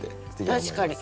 確かに。